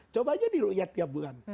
coba aja di rukyat tiap bulan